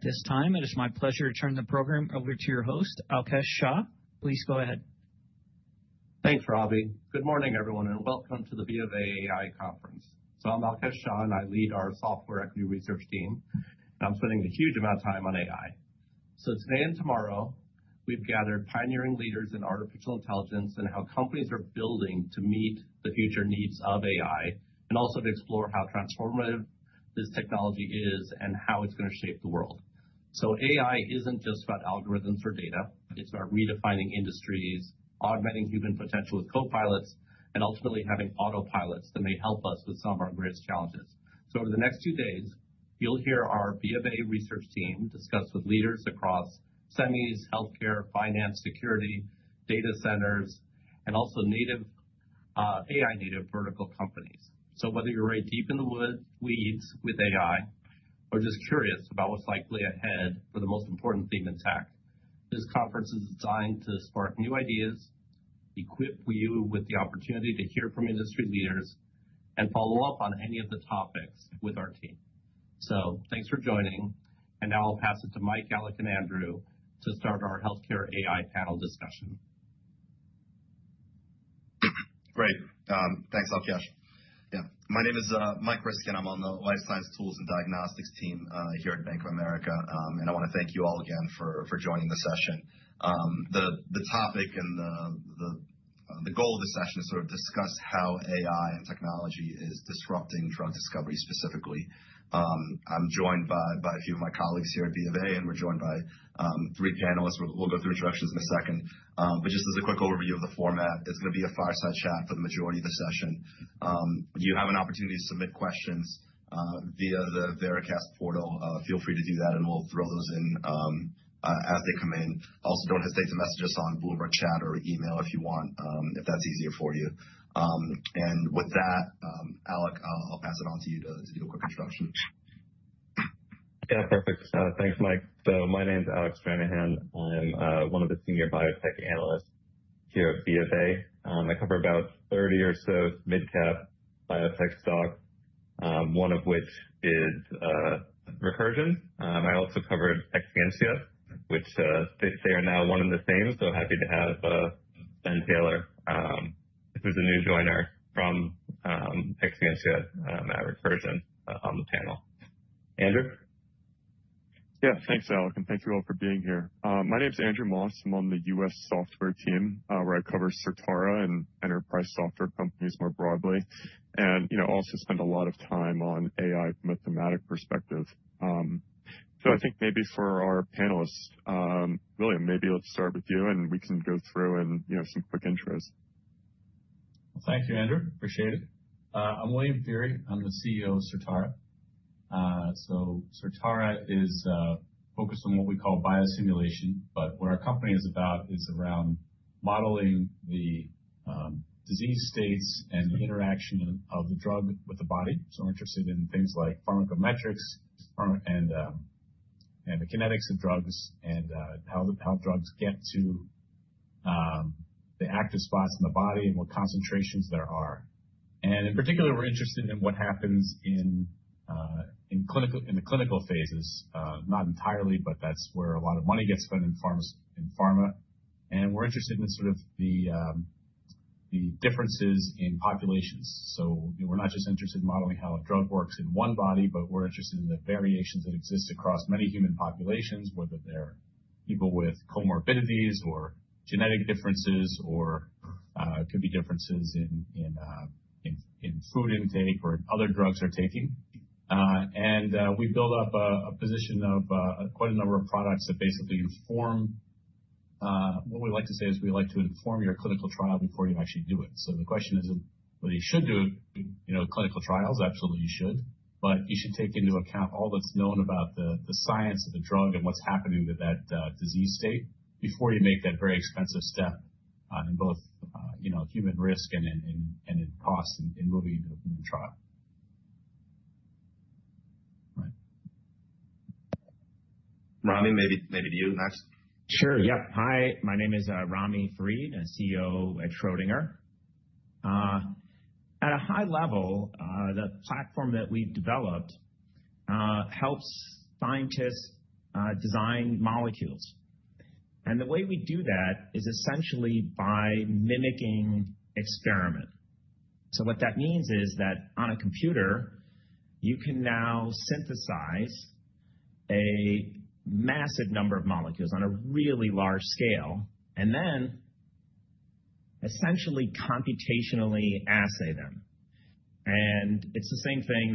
At this time, it is my pleasure to turn the program over to your host, Alkesh Shah. Please go ahead. Thanks, Robbie. Good morning, everyone, and welcome to the B of A AI Conference. So I'm Alkesh Shah, and I lead our software equity research team, and I'm spending a huge amount of time on AI. So today and tomorrow, we've gathered pioneering leaders in artificial intelligence and how companies are building to meet the future needs of AI, and also to explore how transformative this technology is and how it's going to shape the world. So AI isn't just about algorithms or data. It's about redefining industries, augmenting human potential with copilots, and ultimately having autopilots that may help us with some of our greatest challenges. So over the next few days, you'll hear our B of A research team discuss with leaders across semis, healthcare, finance, security, data centers, and also native AI-native vertical companies. Whether you're real deep in the weeds with AI or just curious about what's likely ahead for the most important theme in tech, this conference is designed to spark new ideas, equip you with the opportunity to hear from industry leaders, and follow up on any of the topics with our team. Thanks for joining, and now I'll pass it to Mike, Alec, and Andrew to start our healthcare AI panel discussion. Great. Thanks, Alkesh. Yeah, my name is Mike Ryskin, and I'm on the life science tools and diagnostics team here at Bank of America, and I want to thank you all again for joining the session. The topic and the goal of the session is to sort of discuss how AI and technology is disrupting drug discovery specifically. I'm joined by a few of my colleagues here at BofA, and we're joined by three panelists. We'll go through directions in a second, but just as a quick overview of the format, it's going to be a fireside chat for the majority of the session. You have an opportunity to submit questions via the Veracast portal. Feel free to do that, and we'll throw those in as they come in. Also, don't hesitate to message us on Bloomberg Chat or email if you want, if that's easier for you. With that, Alec, I'll pass it on to you to do a quick introduction. Yeah, perfect. Thanks, Mike. So my name is Alec Stranahan. I'm one of the senior biotech analysts here at B of A. I cover about 30 or so mid-cap biotech stocks, one of which is Recursion. I also covered Exscientia, which they are now one and the same, so happy to have Ben Taylor, who's a new joiner, from Exscientia at Recursion on the panel. Andrew? Yeah, thanks, Alec, and thank you all for being here. My name is Andrew Moss. I'm on the U.S. software team where I cover Certara and enterprise software companies more broadly, and also spend a lot of time on AI from a thematic perspective. So I think maybe for our panelists, William, maybe let's start with you, and we can go through and some quick intros. Well, thank you, Andrew. Appreciate it. I'm William F. Feehery. I'm the CEO of Certara. So Certara is focused on what we call biosimulation, but what our company is about is around modeling the disease states and the interaction of the drug with the body. So we're interested in things like pharmacometrics and the kinetics of drugs and how drugs get to the active spots in the body and what concentrations there are. And in particular, we're interested in what happens in the clinical phases, not entirely, but that's where a lot of money gets spent in pharma. And we're interested in sort of the differences in populations. So we're not just interested in modeling how a drug works in one body, but we're interested in the variations that exist across many human populations, whether they're people with comorbidities or genetic differences or it could be differences in food intake or in other drugs they're taking. And we build up a position of quite a number of products that basically inform what we like to say is we like to inform your clinical trial before you actually do it. So the question is, whether you should do it, clinical trials, absolutely you should, but you should take into account all that's known about the science of the drug and what's happening with that disease state before you make that very expensive step in both human risk and in cost in moving into a human trial. Right. Ramy, maybe to you next. Sure. Yeah. Hi, my name is Ramy Farid, CEO at Schrödinger. At a high level, the platform that we've developed helps scientists design molecules. And the way we do that is essentially by mimicking experiment. So what that means is that on a computer, you can now synthesize a massive number of molecules on a really large scale, and then essentially computationally assay them. And it's the same thing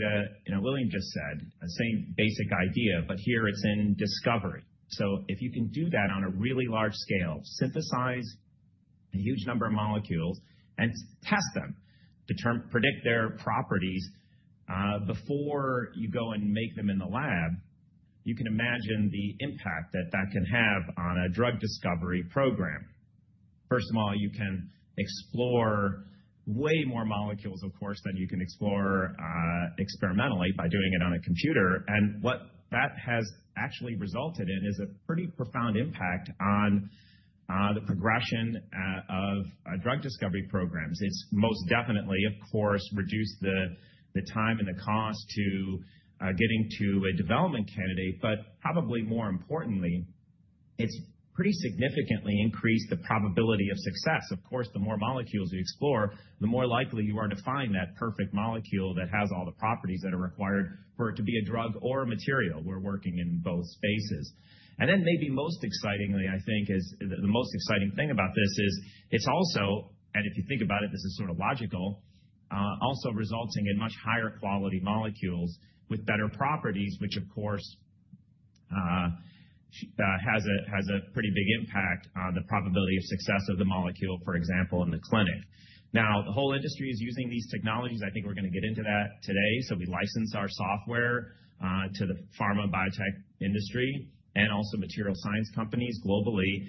that William just said, the same basic idea, but here it's in discovery. So if you can do that on a really large scale, synthesize a huge number of molecules and test them, predict their properties before you go and make them in the lab, you can imagine the impact that that can have on a drug discovery program. First of all, you can explore way more molecules, of course, than you can explore experimentally by doing it on a computer. And what that has actually resulted in is a pretty profound impact on the progression of drug discovery programs. It's most definitely, of course, reduced the time and the cost to getting to a development candidate, but probably more importantly, it's pretty significantly increased the probability of success. Of course, the more molecules you explore, the more likely you are to find that perfect molecule that has all the properties that are required for it to be a drug or a material. We're working in both spaces. And then maybe most excitingly, I think, is the most exciting thing about this is it's also, and if you think about it, this is sort of logical, also resulting in much higher quality molecules with better properties, which of course has a pretty big impact on the probability of success of the molecule, for example, in the clinic. Now, the whole industry is using these technologies. I think we're going to get into that today, so we license our software to the pharma biotech industry and also materials science companies globally,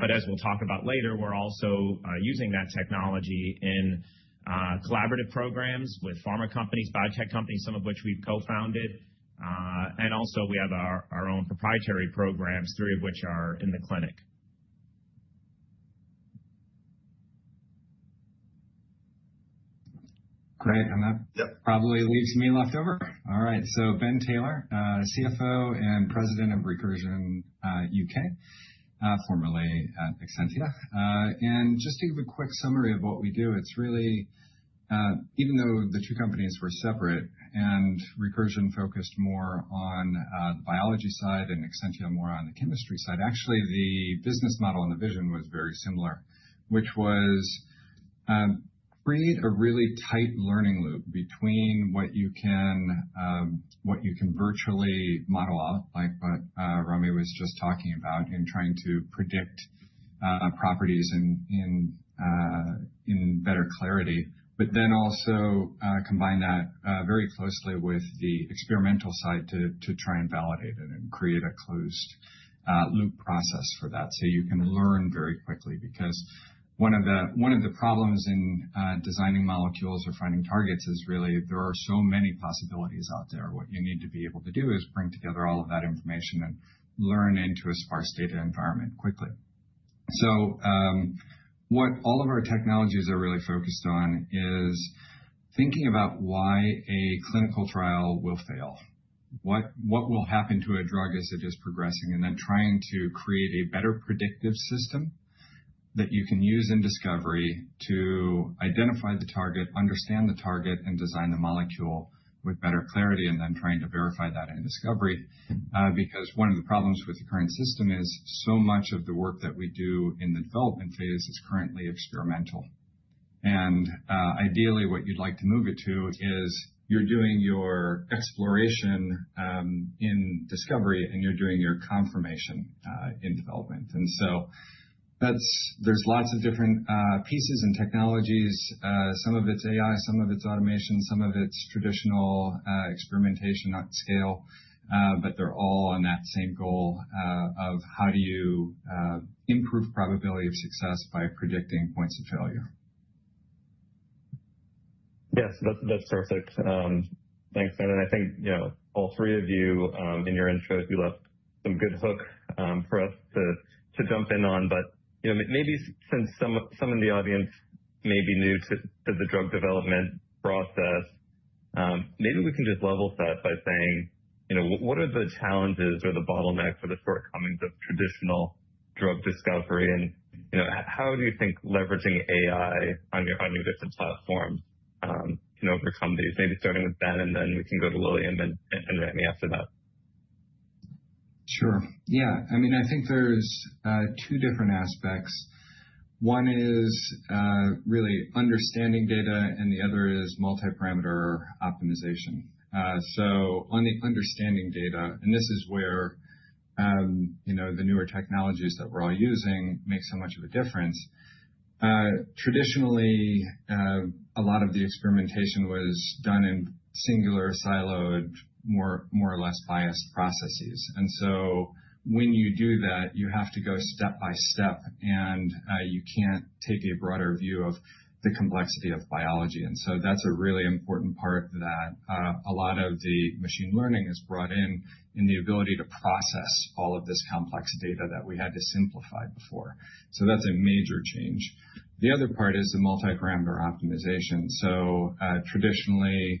but as we'll talk about later, we're also using that technology in collaborative programs with pharma companies, biotech companies, some of which we've co-founded, and also we have our own proprietary programs, three of which are in the clinic. Great, and that probably leaves me left over. All right, so Ben Taylor, CFO and President of Recursion UK, formerly at Exscientia. And just to give a quick summary of what we do, it's really, even though the two companies were separate and Recursion focused more on the biology side and Exscientia more on the chemistry side, actually the business model and the vision was very similar, which was create a really tight learning loop between what you can virtually model out, like what Ramy was just talking about, in trying to predict properties in better clarity, but then also combine that very closely with the experimental side to try and validate it and create a closed loop process for that so you can learn very quickly. Because one of the problems in designing molecules or finding targets is really there are so many possibilities out there. What you need to be able to do is bring together all of that information and learn into a sparse data environment quickly. So what all of our technologies are really focused on is thinking about why a clinical trial will fail, what will happen to a drug as it is progressing, and then trying to create a better predictive system that you can use in discovery to identify the target, understand the target, and design the molecule with better clarity, and then trying to verify that in discovery. Because one of the problems with the current system is so much of the work that we do in the development phase is currently experimental. And ideally, what you'd like to move it to is you're doing your exploration in discovery and you're doing your confirmation in development. And so there's lots of different pieces and technologies. Some of it's AI, some of it's automation, some of it's traditional experimentation at scale, but they're all on that same goal of how do you improve probability of success by predicting points of failure. Yes, that's terrific. Thanks, Ben. And I think all three of you in your intros, you left some good hook for us to jump in on. But maybe since some in the audience may be new to the drug development process, maybe we can just level set by saying, what are the challenges or the bottlenecks or the shortcomings of traditional drug discovery? And how do you think leveraging AI on your different platforms can overcome these? Maybe starting with Ben, and then we can go to William and Ramy after that. Sure. Yeah. I mean, I think there's two different aspects. One is really understanding data, and the other is multi-parameter optimization, so on the understanding data, and this is where the newer technologies that we're all using make so much of a difference. Traditionally, a lot of the experimentation was done in singular siloed, more or less biased processes, and so when you do that, you have to go step by step, and you can't take a broader view of the complexity of biology, and so that's a really important part that a lot of the machine learning has brought in the ability to process all of this complex data that we had to simplify before, so that's a major change. The other part is the multi-parameter optimization, so traditionally,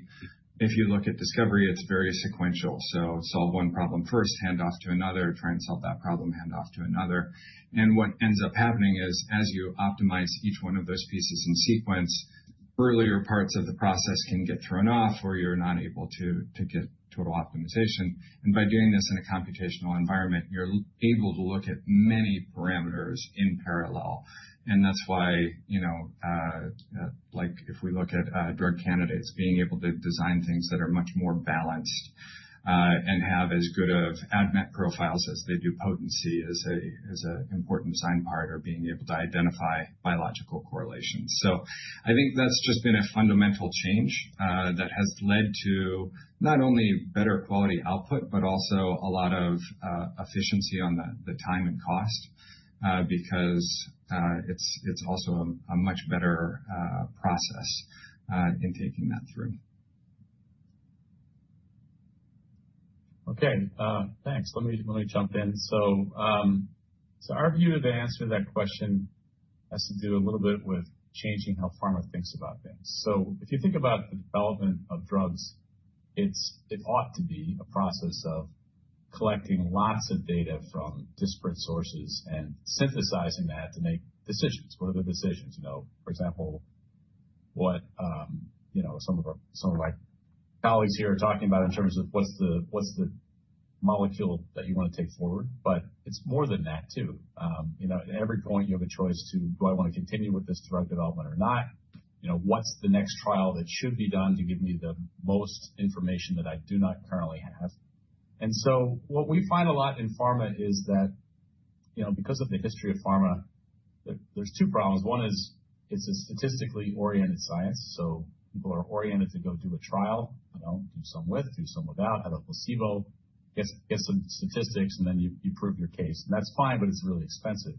if you look at discovery, it's very sequential. Solve one problem first, hand off to another, try and solve that problem, hand off to another. What ends up happening is as you optimize each one of those pieces in sequence, earlier parts of the process can get thrown off or you're not able to get total optimization. By doing this in a computational environment, you're able to look at many parameters in parallel. That's why, like if we look at drug candidates, being able to design things that are much more balanced and have as good of ADMET profiles as they do potency is an important design part or being able to identify biological correlations. So I think that's just been a fundamental change that has led to not only better quality output, but also a lot of efficiency on the time and cost because it's also a much better process in taking that through. Okay. Thanks. Let me jump in. So our view of the answer to that question has to do a little bit with changing how pharma thinks about things. So if you think about the development of drugs, it ought to be a process of collecting lots of data from disparate sources and synthesizing that to make decisions. What are the decisions? For example, what some of my colleagues here are talking about in terms of what's the molecule that you want to take forward. But it's more than that too. At every point, you have a choice to, do I want to continue with this drug development or not? What's the next trial that should be done to give me the most information that I do not currently have? And so what we find a lot in pharma is that because of the history of pharma, there's two problems. One is it's a statistically oriented science, so people are oriented to go do a trial, do some with, do some without, have a placebo, get some statistics, and then you prove your case, and that's fine, but it's really expensive,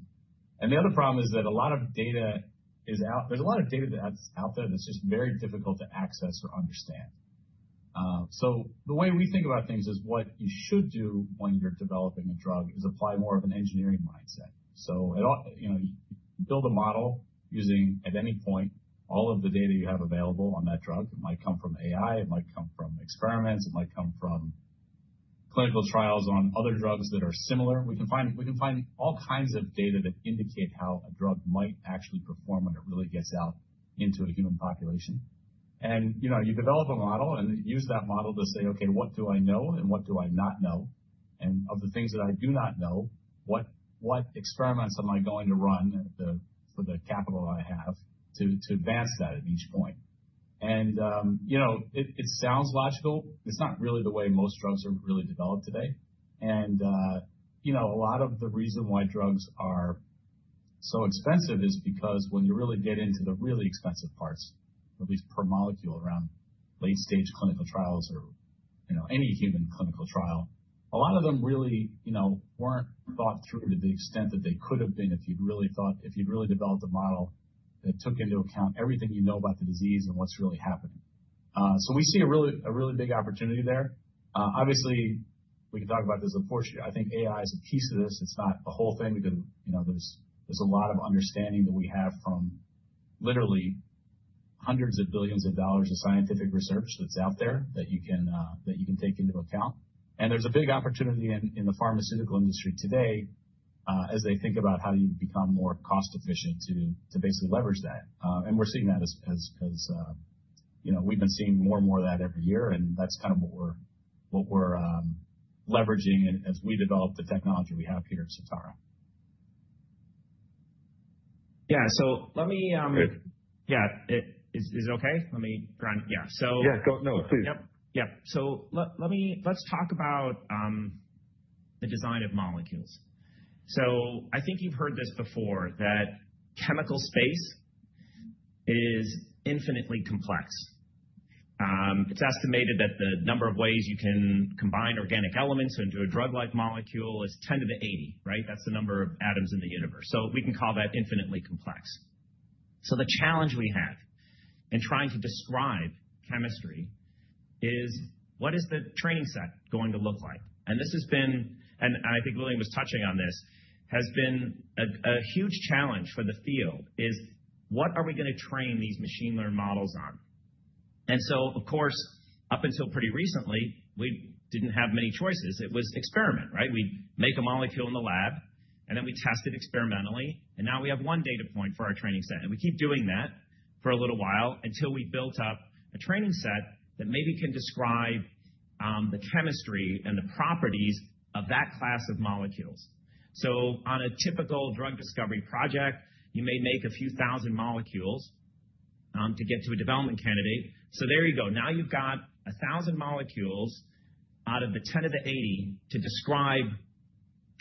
and the other problem is that a lot of data that's out there that's just very difficult to access or understand, so the way we think about things is what you should do when you're developing a drug is apply more of an engineering mindset, so you build a model using, at any point, all of the data you have available on that drug. It might come from AI. It might come from experiments. It might come from clinical trials on other drugs that are similar. We can find all kinds of data that indicate how a drug might actually perform when it really gets out into a human population. And you develop a model and use that model to say, okay, what do I know and what do I not know? And of the things that I do not know, what experiments am I going to run for the capital I have to advance that at each point? And it sounds logical. It's not really the way most drugs are really developed today. A lot of the reason why drugs are so expensive is because when you really get into the really expensive parts, at least per molecule around late-stage clinical trials or any human clinical trial, a lot of them really weren't thought through to the extent that they could have been if you'd really developed a model that took into account everything you know about the disease and what's really happening. We see a really big opportunity there. Obviously, we can talk about this unfortunately. I think AI is a piece of this. It's not the whole thing because there's a lot of understanding that we have from literally hundreds of billions of USD of scientific research that's out there that you can take into account. And there's a big opportunity in the pharmaceutical industry today as they think about how do you become more cost-efficient to basically leverage that. And we're seeing that as we've been seeing more and more of that every year. And that's kind of what we're leveraging as we develop the technology we have here at Certara. Yeah, so let me. Good. Yeah. Is it okay? Let me try and yeah. So. Yeah. No, please. Yep. Yep. So let's talk about the design of molecules. So I think you've heard this before, that chemical space is infinitely complex. It's estimated that the number of ways you can combine organic elements into a drug-like molecule is 10 to the 80, right? That's the number of atoms in the universe. So we can call that infinitely complex. So the challenge we have in trying to describe chemistry is what is the training set going to look like? And this has been, and I think William was touching on this, has been a huge challenge for the field is what are we going to train these machine learning models on? And so, of course, up until pretty recently, we didn't have many choices. It was experiment, right? We'd make a molecule in the lab, and then we test it experimentally. And now we have one data point for our training set. And we keep doing that for a little while until we built up a training set that maybe can describe the chemistry and the properties of that class of molecules. So on a typical drug discovery project, you may make a few thousand molecules to get to a development candidate. So there you go. Now you've got 1,000 molecules out of the 10 to the 80 to describe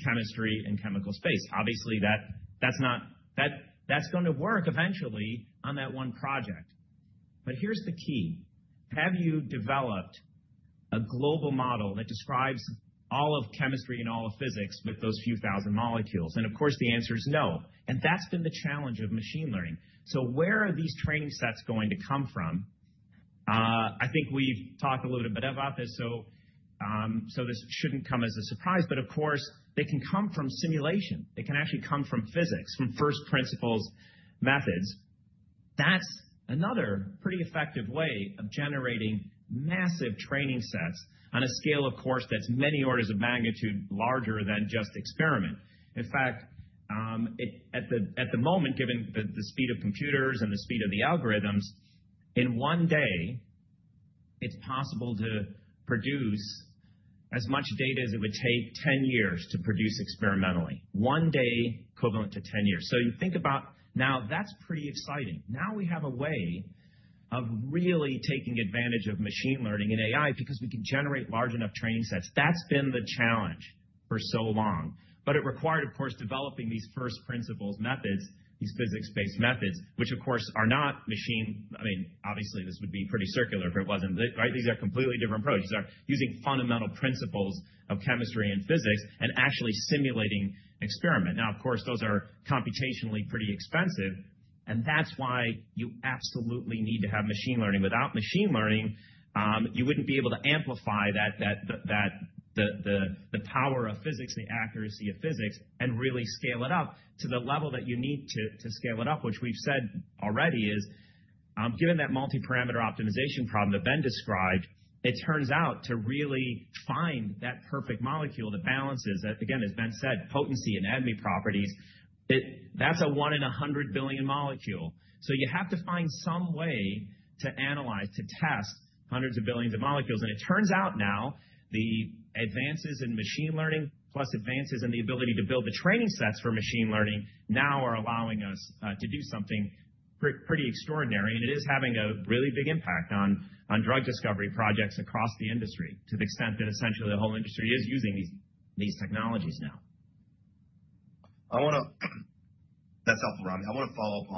chemistry and chemical space. Obviously, that's going to work eventually on that one project. But here's the key. Have you developed a global model that describes all of chemistry and all of physics with those few thousand molecules? And of course, the answer is no. And that's been the challenge of machine learning. So where are these training sets going to come from? I think we've talked a little bit about this. So this shouldn't come as a surprise. But of course, they can come from simulation. They can actually come from physics, from first principles methods. That's another pretty effective way of generating massive training sets on a scale, of course, that's many orders of magnitude larger than just experiment. In fact, at the moment, given the speed of computers and the speed of the algorithms, in one day, it's possible to produce as much data as it would take 10 years to produce experimentally. One day equivalent to 10 years. So you think about now, that's pretty exciting. Now we have a way of really taking advantage of machine learning and AI because we can generate large enough training sets. That's been the challenge for so long. But it required, of course, developing these first principles methods, these physics-based methods, which, of course, are not machine. I mean, obviously, this would be pretty circular if it wasn't, right? These are completely different approaches. They're using fundamental principles of chemistry and physics and actually simulating experiment. Now, of course, those are computationally pretty expensive. And that's why you absolutely need to have machine learning. Without machine learning, you wouldn't be able to amplify the power of physics, the accuracy of physics, and really scale it up to the level that you need to scale it up, which we've said already is given that multi-parameter optimization problem that Ben described, it turns out to really find that perfect molecule that balances, again, as Ben said, potency and ADME properties. That's a one in a hundred billion molecule. So you have to find some way to analyze, to test hundreds of billions of molecules. And it turns out now the advances in machine learning plus advances in the ability to build the training sets for machine learning now are allowing us to do something pretty extraordinary. And it is having a really big impact on drug discovery projects across the industry to the extent that essentially the whole industry is using these technologies now. That's helpful, Ramy. I want to follow up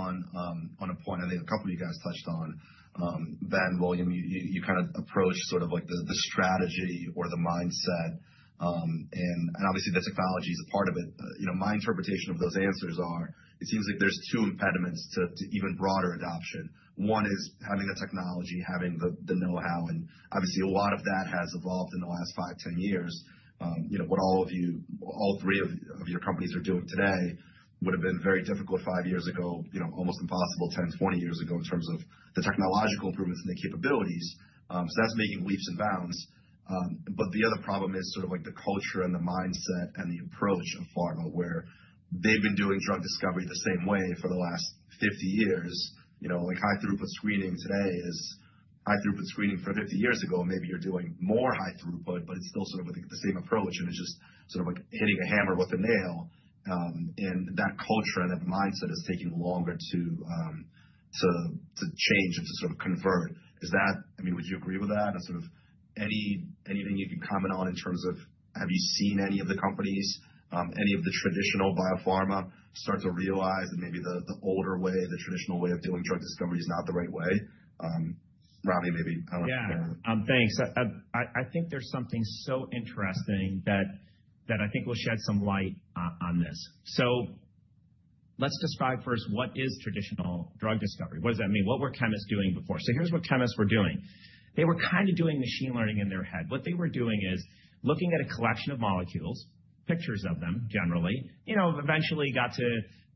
on a point I think a couple of you guys touched on. Ben and William, you kind of approached sort of the strategy or the mindset. And obviously, the technology is a part of it. My interpretation of those answers are, it seems like there's two impediments to even broader adoption. One is having the technology, having the know-how. And obviously, a lot of that has evolved in the last five, 10 years. What all of you, all three of your companies are doing today would have been very difficult five years ago, almost impossible 10, 20 years ago in terms of the technological improvements and the capabilities. So that's making leaps and bounds. But the other problem is sort of the culture and the mindset and the approach of pharma where they've been doing drug discovery the same way for the last 50 years. High-throughput screening today is high-throughput screening for 50 years ago. Maybe you're doing more high-throughput, but it's still sort of the same approach. And it's just sort of hitting a hammer with a nail. And that culture and that mindset is taking longer to change and to sort of convert. I mean, would you agree with that? And sort of anything you can comment on in terms of have you seen any of the companies, any of the traditional biopharma start to realize that maybe the older way, the traditional way of doing drug discovery is not the right way? Ramy, maybe I want to. Yeah. Thanks. I think there's something so interesting that I think will shed some light on this, so let's describe first what is traditional drug discovery. What does that mean? What were chemists doing before, so here's what chemists were doing. They were kind of doing machine learning in their head. What they were doing is looking at a collection of molecules, pictures of them generally. Eventually got to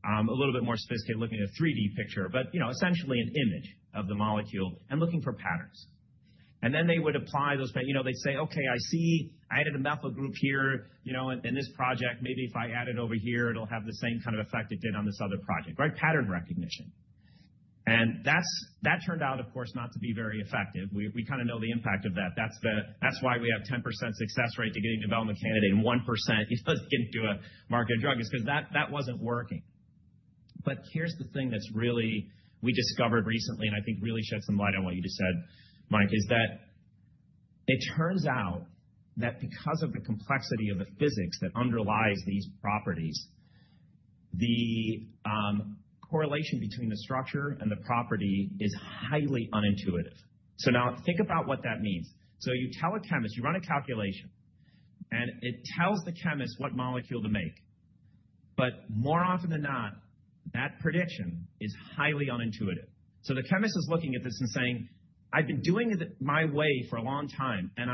a little bit more sophisticated looking at a 3D picture, but essentially an image of the molecule and looking for patterns, and then they would apply those patterns. They'd say, "Okay, I added a methyl group here in this project. Maybe if I add it over here, it'll have the same kind of effect it did on this other project," right? Pattern recognition, and that turned out, of course, not to be very effective. We kind of know the impact of that. That's why we have 10% success rate to getting a development candidate and 1% to get a drug to market is because that wasn't working. But here's the thing that's really what we discovered recently, and I think really shed some light on what you just said, Mike, is that it turns out that because of the complexity of the physics that underlies these properties, the correlation between the structure and the property is highly unintuitive. So now think about what that means. So you tell a chemist, you run a calculation, and it tells the chemist what molecule to make. But more often than not, that prediction is highly unintuitive. So the chemist is looking at this and saying, "I've been doing it my way for a long time, and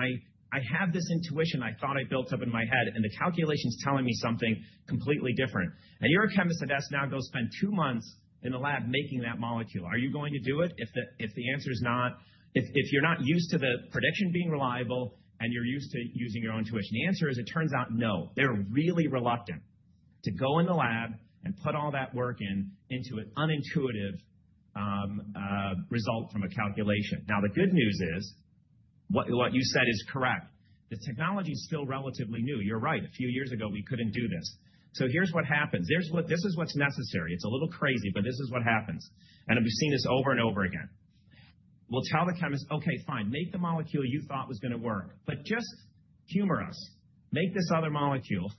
I have this intuition I thought I built up in my head, and the calculation's telling me something completely different." And you're a chemist that has to go spend two months in the lab making that molecule. Are you going to do it? If the answer is no, if you're not used to the prediction being reliable and you're used to using your own intuition, the answer is, it turns out, no. They're really reluctant to go in the lab and put all that work into an unintuitive result from a calculation. Now, the good news is what you said is correct. The technology is still relatively new. You're right. A few years ago, we couldn't do this. So here's what happens. This is what's necessary. It's a little crazy, but this is what happens. And we've seen this over and over again. We'll tell the chemist, "Okay, fine. Make the molecule you thought was going to work, but just humor us. Make this other molecule."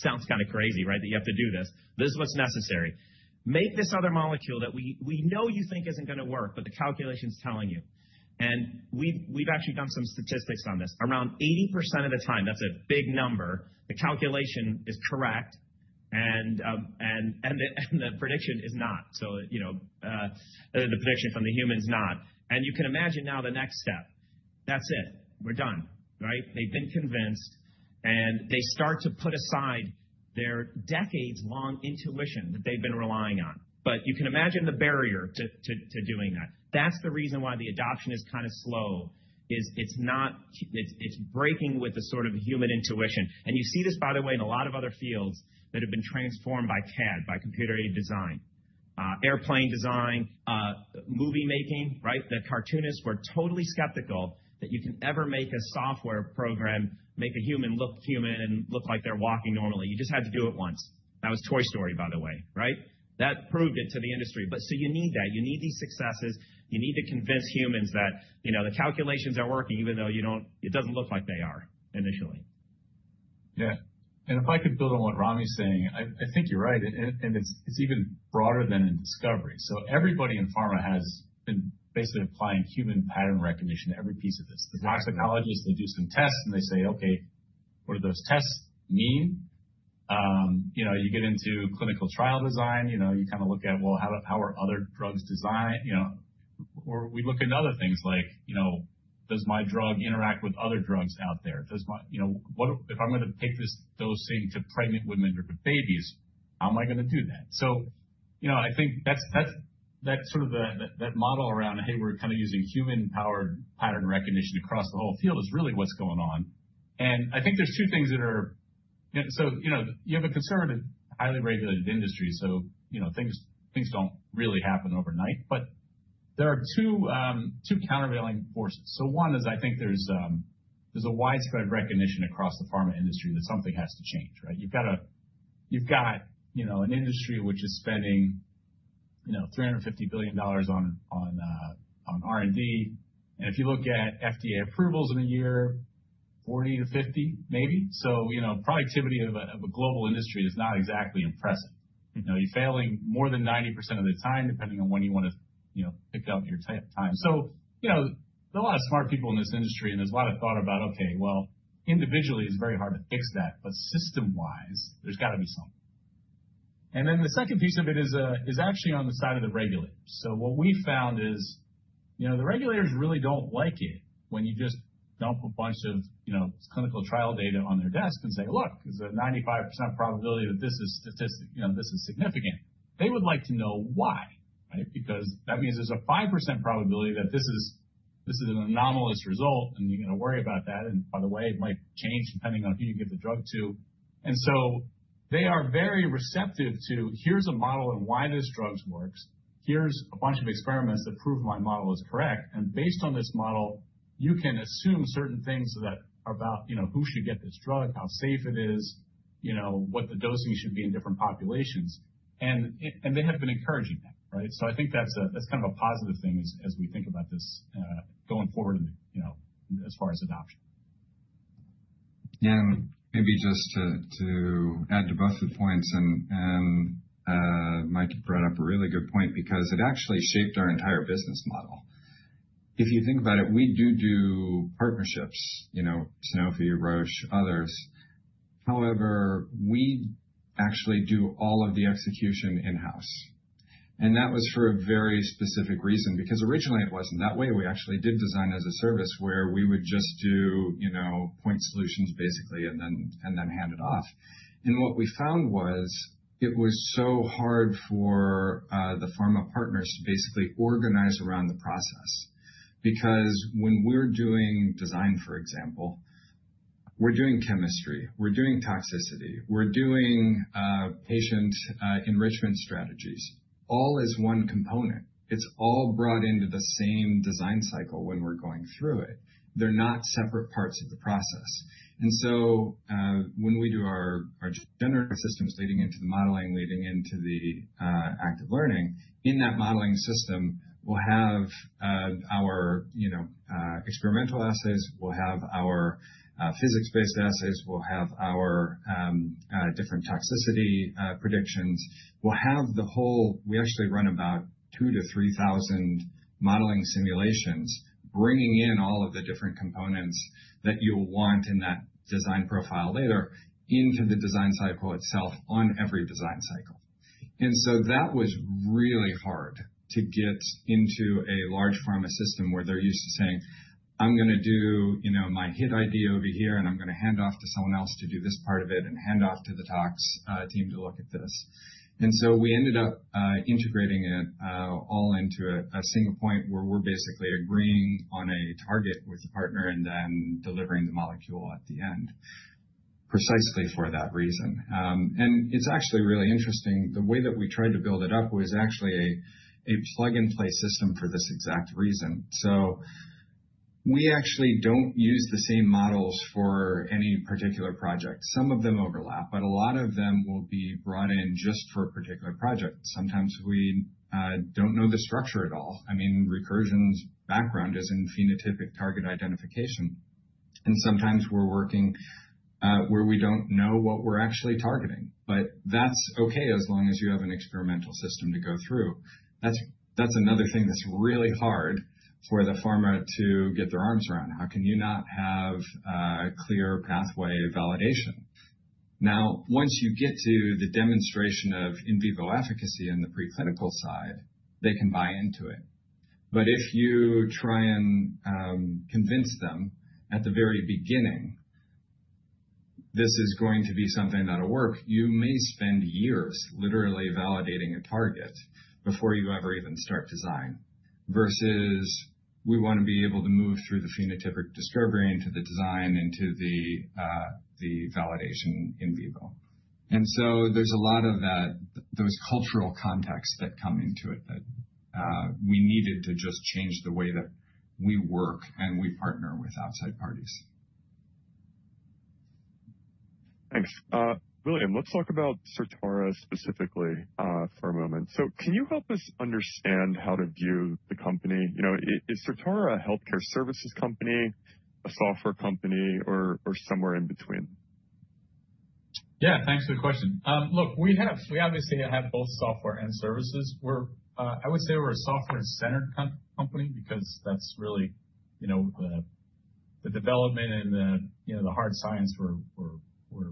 Sounds kind of crazy, right, that you have to do this. This is what's necessary. Make this other molecule that we know you think isn't going to work, but the calculation's telling you. And we've actually done some statistics on this. Around 80% of the time, that's a big number, the calculation is correct, and the prediction is not. So the prediction from the human is not. And you can imagine now the next step. That's it. We're done, right? They've been convinced, and they start to put aside their decades-long intuition that they've been relying on. But you can imagine the barrier to doing that. That's the reason why the adoption is kind of slow. It's breaking with the sort of human intuition, and you see this, by the way, in a lot of other fields that have been transformed by CAD, by computer-aided design. Airplane design, movie making, right? The cartoonists were totally skeptical that you can ever make a software program make a human look human and look like they're walking normally. You just had to do it once. That was Toy Story, by the way, right? That proved it to the industry, but so you need that. You need these successes. You need to convince humans that the calculations are working even though it doesn't look like they are initially. Yeah. And if I could build on what Ramy's saying, I think you're right. And it's even broader than in discovery. So everybody in pharma has been basically applying human pattern recognition to every piece of this. There's toxicologists that do some tests, and they say, "Okay, what do those tests mean?" You get into clinical trial design. You kind of look at, "Well, how are other drugs designed?" Or we look at other things like, "Does my drug interact with other drugs out there? If I'm going to take this dosing to pregnant women or to babies, how am I going to do that?" So I think that's sort of that model around, "Hey, we're kind of using human-powered pattern recognition across the whole field," is really what's going on. And I think there's two things that are so you have a conservative, highly regulated industry. Things don't really happen overnight. But there are two countervailing forces. One is I think there's a widespread recognition across the pharma industry that something has to change, right? You've got an industry which is spending $350 billion on R&D. And if you look at FDA approvals in a year, 40-50, maybe. So productivity of a global industry is not exactly impressive. You're failing more than 90% of the time, depending on when you want to pick up your time. So there's a lot of smart people in this industry, and there's a lot of thought about, "Okay, well, individually, it's very hard to fix that. But system-wise, there's got to be something." And then the second piece of it is actually on the side of the regulators. So what we found is the regulators really don't like it when you just dump a bunch of clinical trial data on their desk and say, "Look, there's a 95% probability that this is statistically significant." They would like to know why, right? Because that means there's a 5% probability that this is an anomalous result, and you're going to worry about that. And by the way, it might change depending on who you give the drug to. And so they are very receptive to, "Here's a model on why this drug works. Here's a bunch of experiments that prove my model is correct." And based on this model, you can assume certain things about who should get this drug, how safe it is, what the dosing should be in different populations. And they have been encouraging that, right? I think that's kind of a positive thing as we think about this going forward as far as adoption. Yeah, and maybe just to add to both the points, and Mike brought up a really good point because it actually shaped our entire business model. If you think about it, we do do partnerships, Sanofi, Roche, others. However, we actually do all of the execution in-house, and that was for a very specific reason because originally it wasn't that way. We actually did design as a service where we would just do point solutions basically and then hand it off, and what we found was it was so hard for the pharma partners to basically organize around the process because when we're doing design, for example, we're doing chemistry, we're doing toxicity, we're doing patient enrichment strategies, all as one component. It's all brought into the same design cycle when we're going through it. They're not separate parts of the process. When we do our generic systems leading into the modeling, leading into the active learning, in that modeling system, we'll have our experimental assays, we'll have our physics-based assays, we'll have our different toxicity predictions. We'll have the whole. We actually run about 2,000-3,000 modeling simulations bringing in all of the different components that you'll want in that design profile later into the design cycle itself on every design cycle. And so that was really hard to get into a large pharma system where they're used to saying, "I'm going to do my hit idea over here, and I'm going to hand off to someone else to do this part of it and hand off to the tox team to look at this." And so we ended up integrating it all into a single point where we're basically agreeing on a target with the partner and then delivering the molecule at the end precisely for that reason. And it's actually really interesting. The way that we tried to build it up was actually a plug-and-play system for this exact reason. So we actually don't use the same models for any particular project. Some of them overlap, but a lot of them will be brought in just for a particular project. Sometimes we don't know the structure at all. I mean, Recursion's background is in phenotypic target identification. And sometimes we're working where we don't know what we're actually targeting. But that's okay as long as you have an experimental system to go through. That's another thing that's really hard for the pharma to get their arms around. How can you not have a clear pathway validation? Now, once you get to the demonstration of in vivo efficacy on the preclinical side, they can buy into it. But if you try and convince them at the very beginning, "This is going to be something that'll work," you may spend years literally validating a target before you ever even start design versus we want to be able to move through the phenotypic discovery into the design, into the validation in vivo. There's a lot of those cultural contexts that come into it that we needed to just change the way that we work and we partner with outside parties. Thanks. William, let's talk about Certara specifically for a moment. So can you help us understand how to view the company? Is Certara a healthcare services company, a software company, or somewhere in between? Yeah. Thanks for the question. Look, we obviously have both software and services. I would say we're a software-centered company because that's really the development and the hard science. We're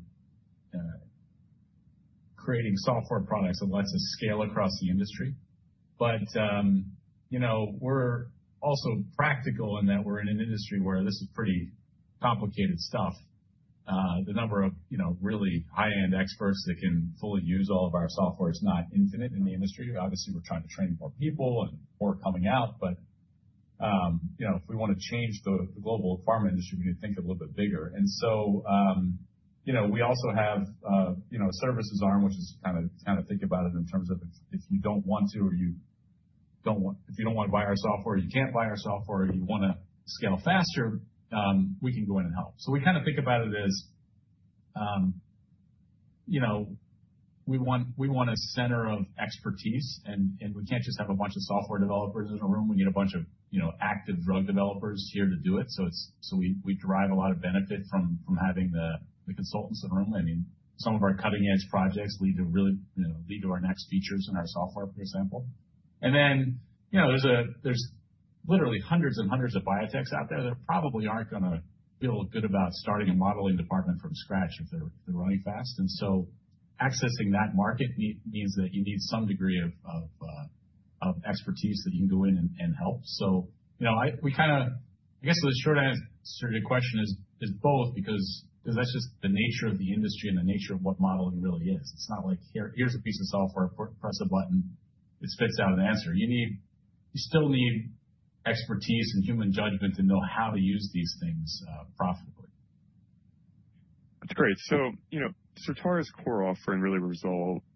creating software products that lets us scale across the industry. But we're also practical in that we're in an industry where this is pretty complicated stuff. The number of really high-end experts that can fully use all of our software is not infinite in the industry. Obviously, we're trying to train more people and more coming out. But if we want to change the global pharma industry, we need to think a little bit bigger. And so we also have a services arm, which is kind of, think about it, in terms of if you don't want to, or you can't buy our software, or you want to scale faster, we can go in and help. So we kind of think about it as we want a center of expertise, and we can't just have a bunch of software developers in a room. We need a bunch of active drug developers here to do it. So we derive a lot of benefit from having the consultants in a room. I mean, some of our cutting-edge projects lead to our next features in our software, for example. And then there's literally hundreds and hundreds of biotechs out there that probably aren't going to feel good about starting a modeling department from scratch if they're running fast. And so accessing that market means that you need some degree of expertise that you can go in and help. So I guess the short answer to your question is both because that's just the nature of the industry and the nature of what modeling really is. It's not like, "Here's a piece of software. Press a button. It spits out an answer." You still need expertise and human judgment to know how to use these things profitably. That's great. So Certara's core offering really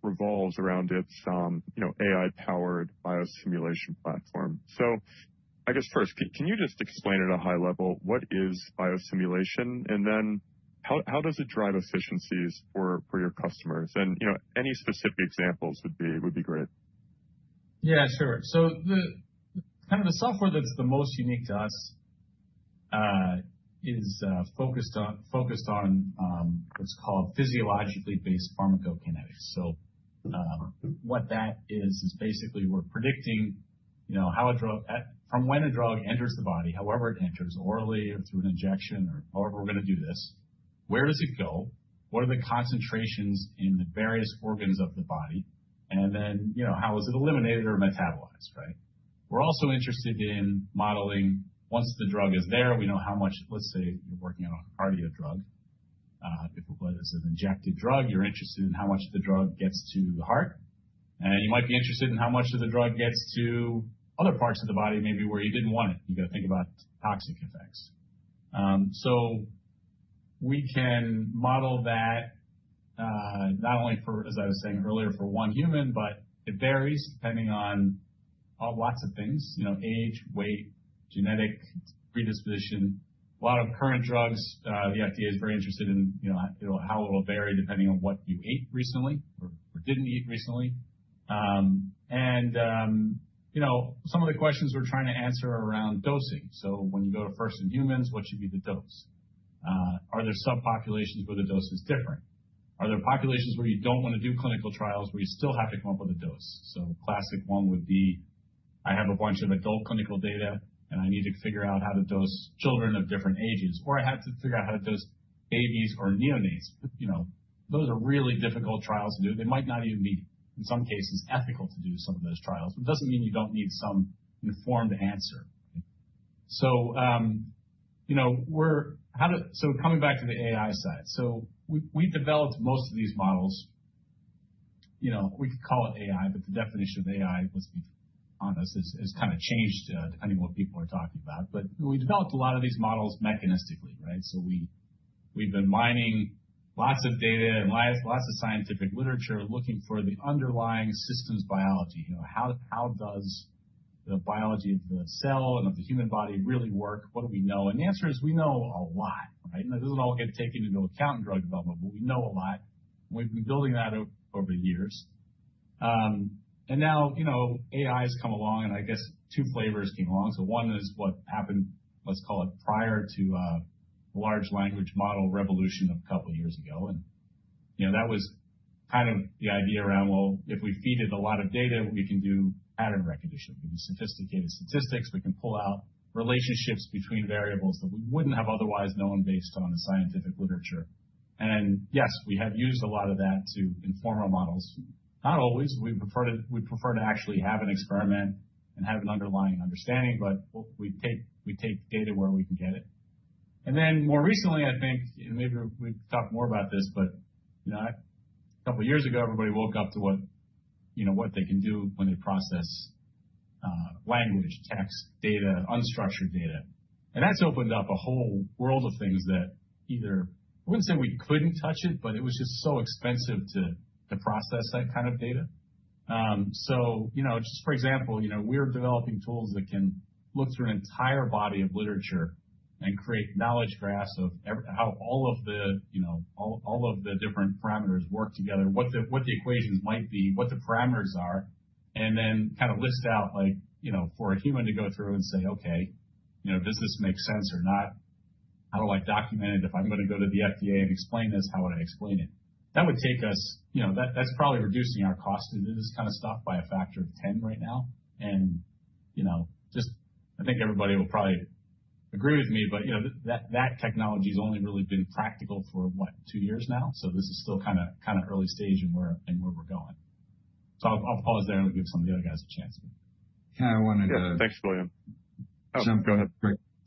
revolves around its AI-powered biosimulation platform. So I guess first, can you just explain at a high level what is biosimulation, and then how does it drive efficiencies for your customers? And any specific examples would be great. Yeah, sure. So kind of the software that's the most unique to us is focused on what's called physiologically-based pharmacokinetics. So what that is, is basically we're predicting from when a drug enters the body, however it enters, orally or through an injection or however we're going to do this, where does it go, what are the concentrations in the various organs of the body, and then how is it eliminated or metabolized, right? We're also interested in modeling once the drug is there, we know how much, let's say you're working on a cardiac drug. If it was an injected drug, you're interested in how much the drug gets to the heart. And you might be interested in how much of the drug gets to other parts of the body, maybe where you didn't want it. You got to think about toxic effects. So we can model that not only for, as I was saying earlier, for one human, but it varies depending on lots of things: age, weight, genetic predisposition. A lot of current drugs, the FDA is very interested in how it will vary depending on what you ate recently or didn't eat recently. And some of the questions we're trying to answer are around dosing. So when you go to first in humans, what should be the dose? Are there subpopulations where the dose is different? Are there populations where you don't want to do clinical trials where you still have to come up with a dose? A classic one would be, "I have a bunch of adult clinical data, and I need to figure out how to dose children of different ages." Or, "I had to figure out how to dose babies or neonates." Those are really difficult trials to do. They might not even be, in some cases, ethical to do some of those trials. But it doesn't mean you don't need some informed answer. Coming back to the AI side, we developed most of these models. We could call it AI, but the definition of AI, let's be honest, has kind of changed depending on what people are talking about. But we developed a lot of these models mechanistically, right? So we've been mining lots of data and lots of scientific literature looking for the underlying systems biology. How does the biology of the cell and of the human body really work? What do we know? And the answer is we know a lot, right? And it doesn't all get taken into account in drug development, but we know a lot. We've been building that up over the years. And now AI has come along, and I guess two flavors came along. So one is what happened, let's call it, prior to the large language model revolution of a couple of years ago. And that was kind of the idea around, well, if we feed it a lot of data, we can do pattern recognition. We can sophisticated statistics. We can pull out relationships between variables that we wouldn't have otherwise known based on the scientific literature. And yes, we have used a lot of that to inform our models. Not always. We prefer to actually have an experiment and have an underlying understanding, but we take data where we can get it, and then more recently, I think, and maybe we've talked more about this, but a couple of years ago, everybody woke up to what they can do when they process language, text, data, unstructured data, and that's opened up a whole world of things that either I wouldn't say we couldn't touch it, but it was just so expensive to process that kind of data, so just for example, we're developing tools that can look through an entire body of literature and create knowledge graphs of how all of the different parameters work together, what the equations might be, what the parameters are, and then kind of list out for a human to go through and say, "Okay, does this make sense or not? How do I document it? If I'm going to go to the FDA and explain this, how would I explain it?" That would take us. That's probably reducing our cost. It is kind of stopped by a factor of 10 right now. I think everybody will probably agree with me, but that technology has only really been practical for, what, two years now, so this is still kind of early stage in where we're going, so I'll pause there and give some of the other guys a chance. Yeah. I wanted to. Yeah. Thanks, William.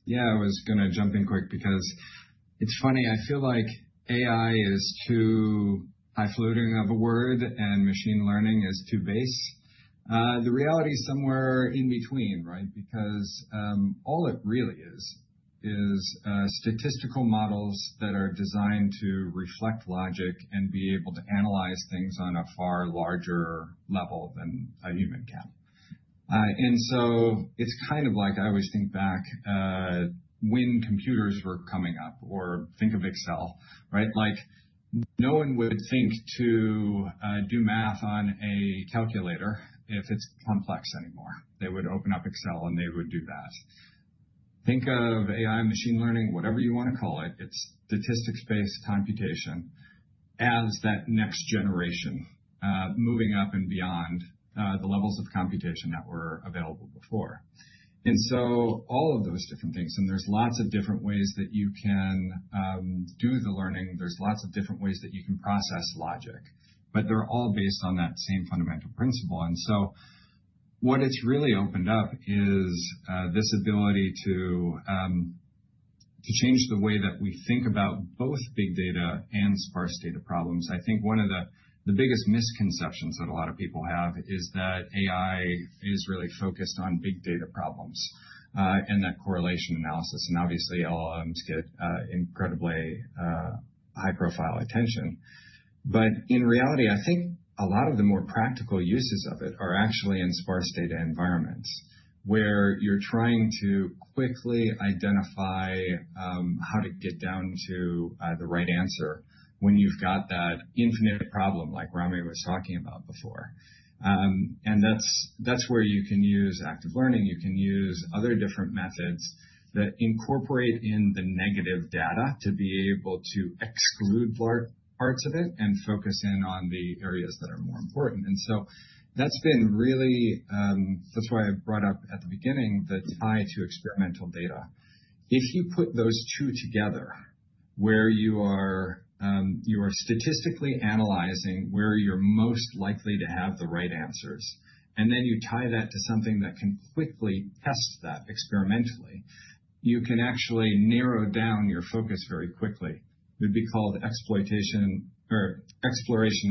Yeah. I was going to jump in quick because it's funny. I feel like AI is too highfalutin of a word, and machine learning is too basic. The reality is somewhere in between, right? Because all it really is, is statistical models that are designed to reflect logic and be able to analyze things on a far larger level than a human can. And so it's kind of like I always think back when computers were coming up or think of Excel, right? No one would think to do math on a calculator if it's complex anymore. They would open up Excel, and they would do that. Think of AI and machine learning, whatever you want to call it. It's statistics-based computation as that next generation moving up and beyond the levels of computation that were available before. And so all of those different things, and there's lots of different ways that you can do the learning. There's lots of different ways that you can process logic, but they're all based on that same fundamental principle. And so what it's really opened up is this ability to change the way that we think about both big data and sparse data problems. I think one of the biggest misconceptions that a lot of people have is that AI is really focused on big data problems and that correlation analysis. And obviously, LLMs get incredibly high-profile attention. But in reality, I think a lot of the more practical uses of it are actually in sparse data environments where you're trying to quickly identify how to get down to the right answer when you've got that infinite problem like Ramy was talking about before. That's where you can use active learning. You can use other different methods that incorporate in the negative data to be able to exclude parts of it and focus in on the areas that are more important. And so that's been really, that's why I brought up at the beginning the tie to experimental data. If you put those two together where you are statistically analyzing where you're most likely to have the right answers, and then you tie that to something that can quickly test that experimentally, you can actually narrow down your focus very quickly. It would be called exploration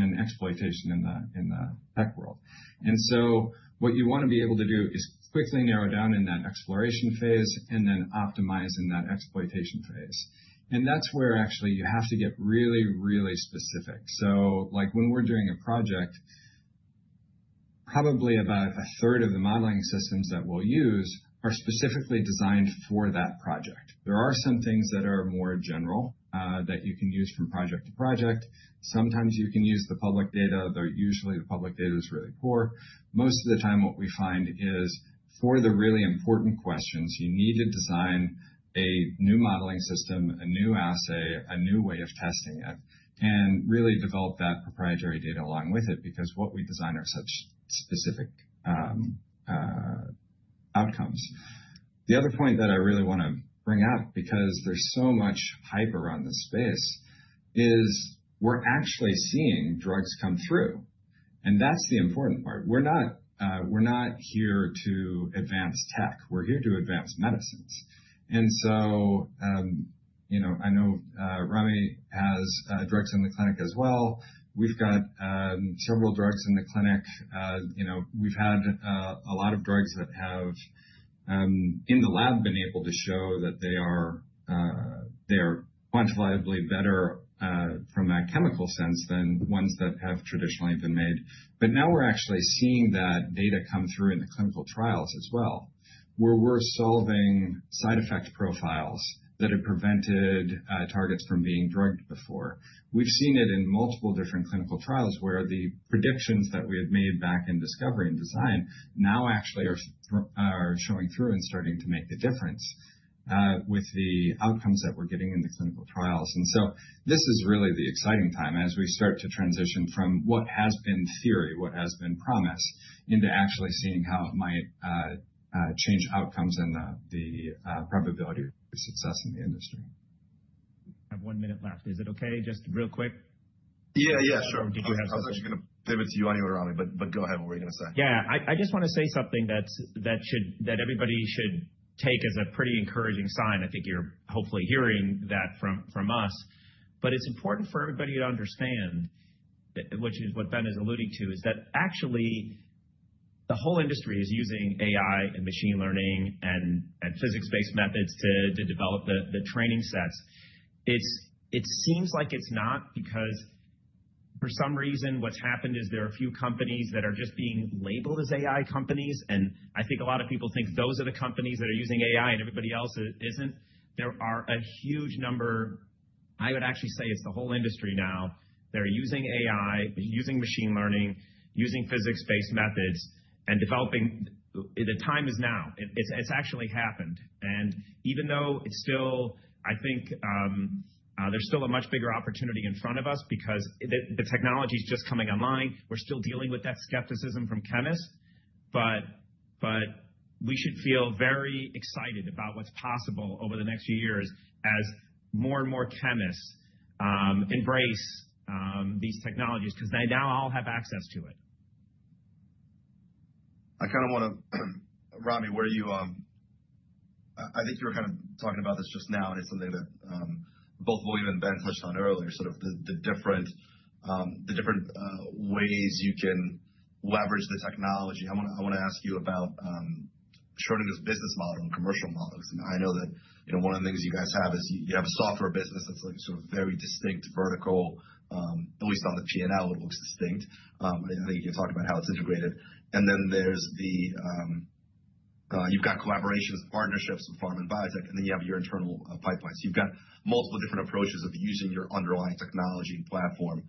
and exploitation in the tech world. And so what you want to be able to do is quickly narrow down in that exploration phase and then optimize in that exploitation phase. And that's where actually you have to get really, really specific. When we're doing a project, probably about a third of the modeling systems that we'll use are specifically designed for that project. There are some things that are more general that you can use from project to project. Sometimes you can use the public data, though usually the public data is really poor. Most of the time, what we find is for the really important questions, you need to design a new modeling system, a new assay, a new way of testing it, and really develop that proprietary data along with it because what we design are such specific outcomes. The other point that I really want to bring up because there's so much hype around this space is we're actually seeing drugs come through. That's the important part. We're not here to advance tech. We're here to advance medicines. I know Ramy has drugs in the clinic as well. We've got several drugs in the clinic. We've had a lot of drugs that have in the lab been able to show that they are quantifiably better from a chemical sense than ones that have traditionally been made. But now we're actually seeing that data come through in the clinical trials as well, where we're solving side effect profiles that have prevented targets from being drugged before. We've seen it in multiple different clinical trials where the predictions that we had made back in discovery and design now actually are showing through and starting to make a difference with the outcomes that we're getting in the clinical trials. This is really the exciting time as we start to transition from what has been theory, what has been promise, into actually seeing how it might change outcomes and the probability of success in the industry. I have one minute left. Is it okay? Just real quick. Yeah, yeah, sure. Did you have something? I was actually going to pivot to you, anyway, Ramy, but go ahead. What were you going to say? Yeah. I just want to say something that everybody should take as a pretty encouraging sign. I think you're hopefully hearing that from us. But it's important for everybody to understand, which is what Ben is alluding to, is that actually the whole industry is using AI and machine learning and physics-based methods to develop the training sets. It seems like it's not, because for some reason, what's happened is there are a few companies that are just being labeled as AI companies. And I think a lot of people think those are the companies that are using AI and everybody else isn't. There are a huge number. I would actually say it's the whole industry now. They're using AI, using machine learning, using physics-based methods, and developing. The time is now. It's actually happened. And even though it's still, I think there's still a much bigger opportunity in front of us because the technology is just coming online. We're still dealing with that skepticism from chemists. But we should feel very excited about what's possible over the next few years as more and more chemists embrace these technologies because they now all have access to it. I kind of want to, Ramy, where you I think you were kind of talking about this just now, and it's something that both William and Ben touched on earlier, sort of the different ways you can leverage the technology. I want to ask you about Schrödinger's business model and commercial models. I know that one of the things you guys have is you have a software business that's sort of very distinct, vertical, at least on the P&L, it looks distinct. I think you can talk about how it's integrated. Then there's the you've got collaborations, partnerships with pharma and biotech, and then you have your internal pipelines. You've got multiple different approaches of using your underlying technology and platform.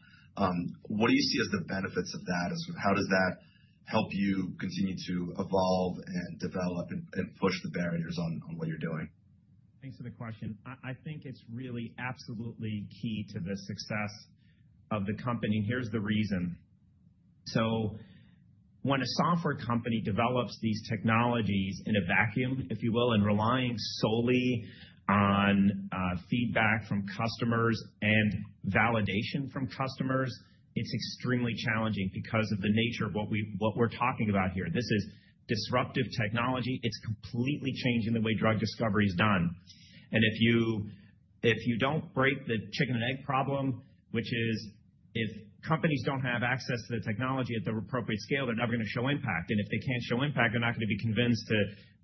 What do you see as the benefits of that? How does that help you continue to evolve and develop and push the barriers on what you're doing? Thanks for the question. I think it's really absolutely key to the success of the company. And here's the reason. So when a software company develops these technologies in a vacuum, if you will, and relying solely on feedback from customers and validation from customers, it's extremely challenging because of the nature of what we're talking about here. This is disruptive technology. It's completely changing the way drug discovery is done. And if you don't break the chicken and egg problem, which is if companies don't have access to the technology at the appropriate scale, they're never going to show impact. And if they can't show impact, they're not going to be convinced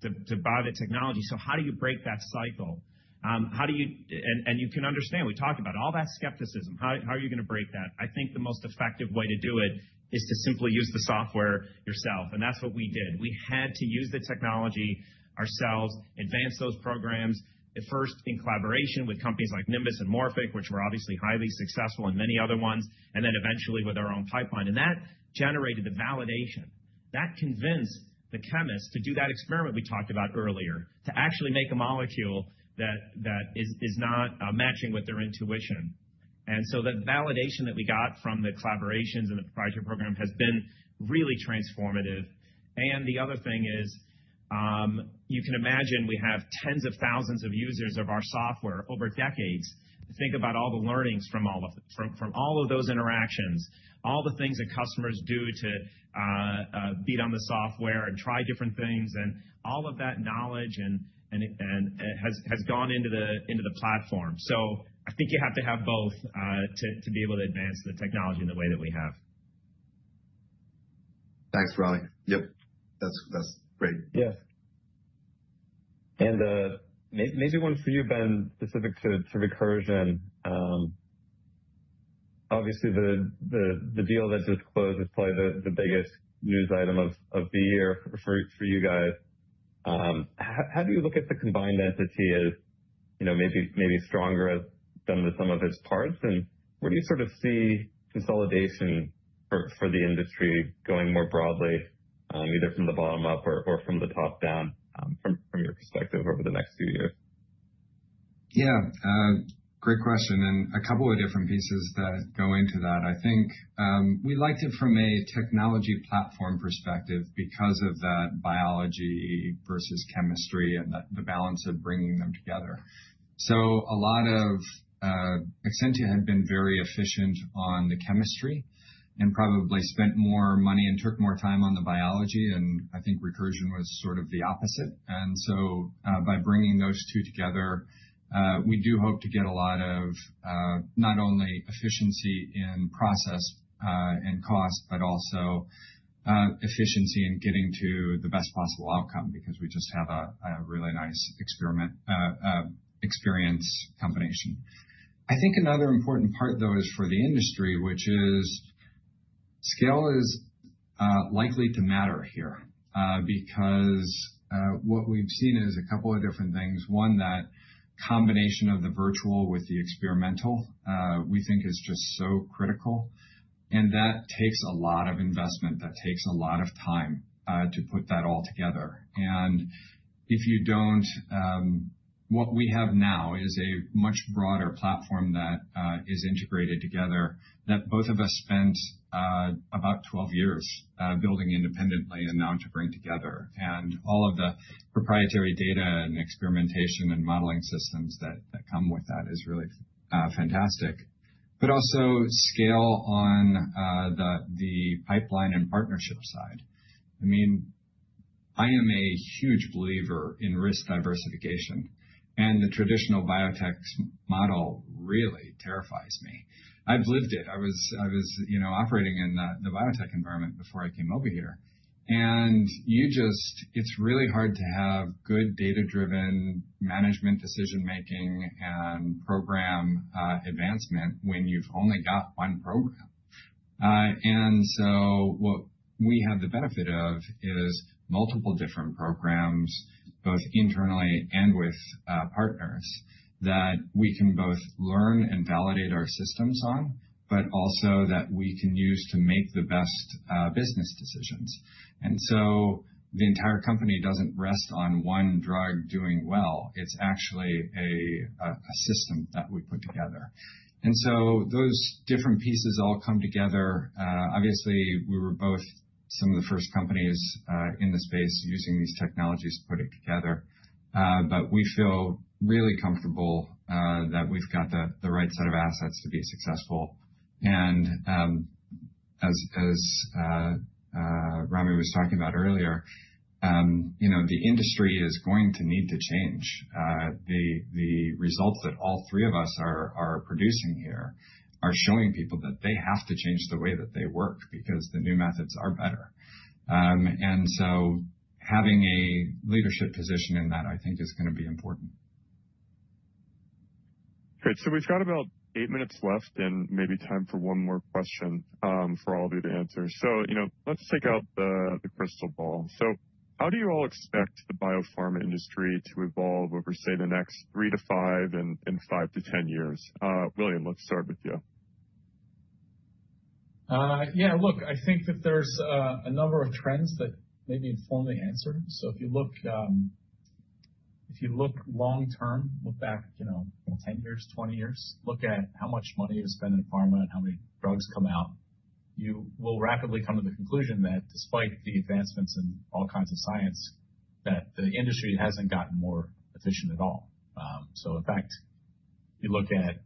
to buy the technology. So how do you break that cycle? And you can understand, we talked about all that skepticism. How are you going to break that? I think the most effective way to do it is to simply use the software yourself. And that's what we did. We had to use the technology ourselves, advance those programs, first in collaboration with companies like Nimbus and Morphic, which were obviously highly successful, and many other ones, and then eventually with our own pipeline. And that generated the validation. That convinced the chemists to do that experiment we talked about earlier, to actually make a molecule that is not matching with their intuition. And so the validation that we got from the collaborations and the proprietary program has been really transformative. And the other thing is you can imagine we have tens of thousands of users of our software over decades. Think about all the learnings from all of those interactions, all the things that customers do to beat on the software and try different things, and all of that knowledge has gone into the platform. So I think you have to have both to be able to advance the technology in the way that we have. Thanks, Ramy. Yep. That's great. Yeah. And maybe one for you, Ben, specific to Recursion. Obviously, the deal that just closed is probably the biggest news item of the year for you guys. How do you look at the combined entity as maybe stronger than some of its parts? And where do you sort of see consolidation for the industry going more broadly, either from the bottom up or from the top down, from your perspective over the next few years? Yeah. Great question. And a couple of different pieces that go into that. I think we liked it from a technology platform perspective because of that biology versus chemistry and the balance of bringing them together. So a lot of Exscientia had been very efficient on the chemistry and probably spent more money and took more time on the biology. And I think Recursion was sort of the opposite. And so by bringing those two together, we do hope to get a lot of not only efficiency in process and cost, but also efficiency in getting to the best possible outcome because we just have a really nice experience combination. I think another important part, though, is for the industry, which is scale is likely to matter here because what we've seen is a couple of different things. One, that combination of the virtual with the experimental we think is just so critical. And that takes a lot of investment. That takes a lot of time to put that all together. And if you don't, what we have now is a much broader platform that is integrated together that both of us spent about 12 years building independently and now to bring together. And all of the proprietary data and experimentation and modeling systems that come with that is really fantastic. But also scale on the pipeline and partnership side. I mean, I am a huge believer in risk diversification. And the traditional biotech model really terrifies me. I've lived it. I was operating in the biotech environment before I came over here. And it's really hard to have good data-driven management decision-making and program advancement when you've only got one program. And so what we have the benefit of is multiple different programs, both internally and with partners, that we can both learn and validate our systems on, but also that we can use to make the best business decisions. And so the entire company doesn't rest on one drug doing well. It's actually a system that we put together. And so those different pieces all come together. Obviously, we were both some of the first companies in the space using these technologies to put it together. But we feel really comfortable that we've got the right set of assets to be successful. And as Ramy was talking about earlier, the industry is going to need to change. The results that all three of us are producing here are showing people that they have to change the way that they work because the new methods are better. And so having a leadership position in that, I think, is going to be important. Great. So we've got about eight minutes left and maybe time for one more question for all of you to answer. So let's take out the crystal ball. So how do you all expect the biopharma industry to evolve over, say, the next three to five and five to ten years? William, let's start with you. Yeah. Look, I think that there's a number of trends that maybe inform the answer. So if you look long-term, look back 10 years, 20 years, look at how much money is spent in pharma and how many drugs come out, you will rapidly come to the conclusion that despite the advancements in all kinds of science, that the industry hasn't gotten more efficient at all. So in fact, you look at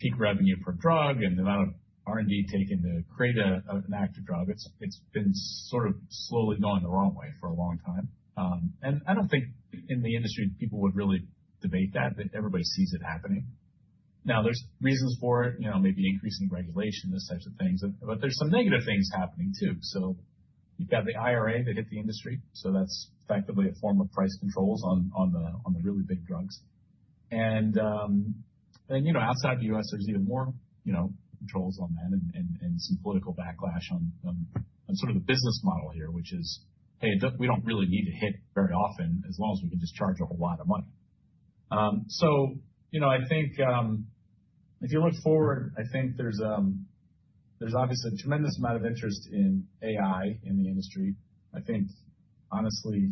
peak revenue per drug and the amount of R&D taken to create an active drug, it's been sort of slowly going the wrong way for a long time. And I don't think in the industry people would really debate that. Everybody sees it happening. Now, there's reasons for it, maybe increasing regulation, those types of things. But there's some negative things happening too. So you've got the IRA that hit the industry. So that's effectively a form of price controls on the really big drugs. And then outside the U.S., there's even more controls on that and some political backlash on sort of the business model here, which is, hey, we don't really need to hit very often as long as we can just charge a whole lot of money. So I think if you look forward, I think there's obviously a tremendous amount of interest in AI in the industry. I think, honestly,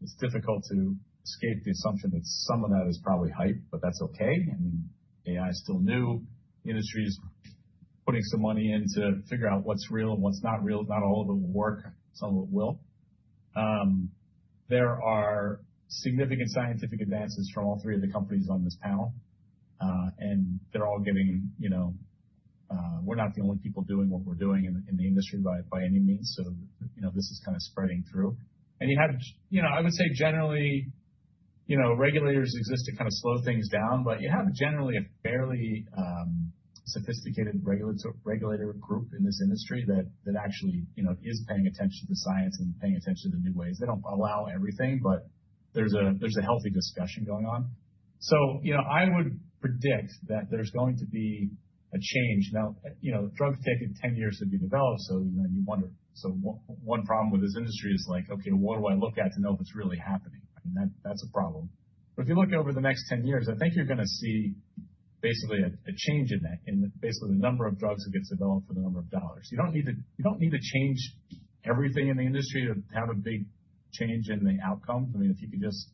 it's difficult to escape the assumption that some of that is probably hype, but that's okay. I mean, AI is still new. The industry is putting some money in to figure out what's real and what's not real. Not all of it will work. Some of it will. There are significant scientific advances from all three of the companies on this panel. They're all saying we're not the only people doing what we're doing in the industry by any means. So this is kind of spreading through. I would say generally, regulators exist to kind of slow things down, but you have generally a fairly sophisticated regulatory group in this industry that actually is paying attention to science and paying attention to the new ways. They don't allow everything, but there's a healthy discussion going on. So I would predict that there's going to be a change. Now, a drug takes 10 years to be developed, so you wonder. So one problem with this industry is like, okay, well, what do I look at to know if it's really happening? I mean, that's a problem. But if you look over the next 10 years, I think you're going to see basically a change in that, in basically the number of drugs that gets developed for the number of dollars. You don't need to change everything in the industry to have a big change in the outcome. I mean, if you could just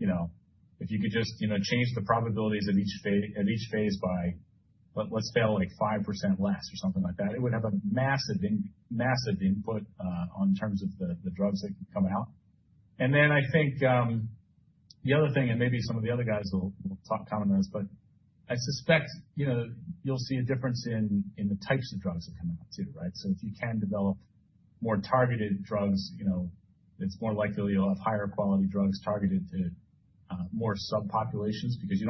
change the probabilities of each phase by, let's fail like 5% less or something like that, it would have a massive impact in terms of the drugs that can come out. And then I think the other thing, and maybe some of th e other guys will talk or comment on this, but I suspect you'll see a difference in the types of drugs that come out too, right? So if you can develop more targeted drugs, it's more likely you'll have higher quality drugs targeted to more subpopulations because